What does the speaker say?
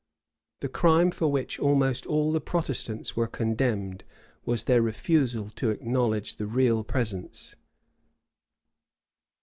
The crime for which almost all the Protestants were condemned, was their refusal to acknowledge the real presence.